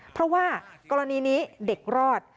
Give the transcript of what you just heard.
เพราะว่ากรณีนี้เด็กรอด